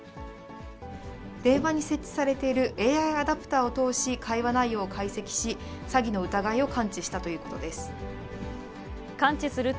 電話に設置されているＡＩアダプタを通し、会話内容を解析し、詐欺の疑いを感知したということです。